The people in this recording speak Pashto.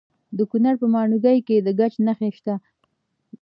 د کونړ په ماڼوګي کې د ګچ نښې شته.